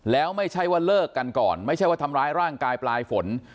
แล้วไม่ใช่ว่าเลิกกันก่อนไม่ใช่ว่าทำร้ายร่างกายปลายฝน